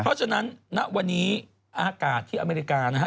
เพราะฉะนั้นณวันนี้อากาศที่อเมริกานะฮะ